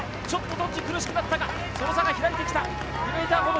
ちょっと殿地苦しくなったか、その差が開いてきた。